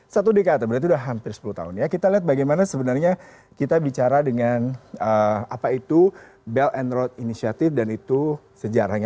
satu dekade berarti sudah hampir sepuluh tahun ya kita lihat bagaimana sebenarnya kita bicara dengan apa itu belt and road initiative dan itu sejarahnya